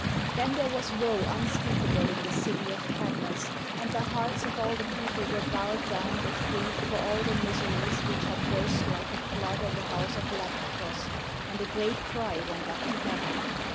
Then there was woe unspeakable in the city of Kadmos II GREECE and the hearts of all the people were bowed down with grief for all the miseries which had burst like a flood on the house of Labdakos and a great cry went up to heaven.